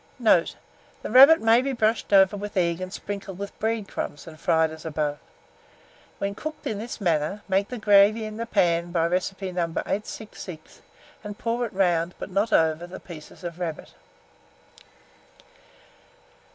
Note. The rabbit may be brushed over with egg, and sprinkled with bread crumbs, and fried as above. When cooked in this manner, make a gravy in the pan by recipe No. 866, and pour it round, but not over, the pieces of rabbit.